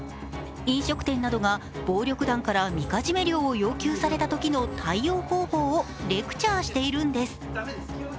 飲食店などが暴力団からみかじめ料を要求されたときの対応方法をレクチャーしているんです。